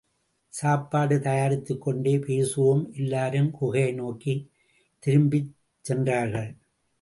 சாப்பாடு தயாரித்துக்கொண்டே பேசுவோம். எல்லாரும் குகையை நோக்கித் திரும்பிச் சென்றார்கள்.